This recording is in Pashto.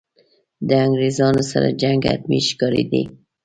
له انګرېزانو سره جنګ حتمي ښکارېدی.